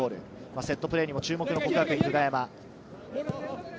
セットプレーにも注目の國學院久我山。